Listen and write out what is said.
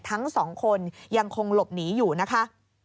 ทั้งสองคนยังคงหลบหนีอยู่นะคะ